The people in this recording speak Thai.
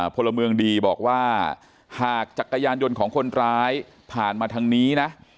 พลเมืองดีบอกว่าหากจักรยานยนต์ของคนร้ายผ่านมาทางนี้นะ